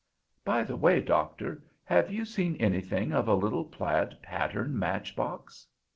"By the way, Doctor, have you seen anything of a little plaid pattern match box?"